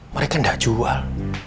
mereka gak jual